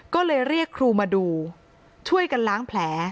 ก็เลยเรียกครูมาดูช่วยกันล้างแผล